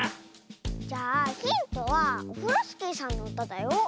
じゃあヒントはオフロスキーさんのうただよ。